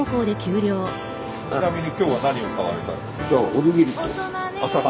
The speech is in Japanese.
ちなみに今日は何を買われたんですか？